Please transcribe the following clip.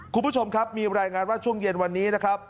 คุณผู้ชมครับมีรายงานว่าช่วงเย็นวันนี้นะครับ